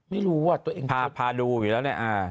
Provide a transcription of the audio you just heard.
ไม่รู้ว่าตัวเองพาดูอยู่แล้วเนี่ย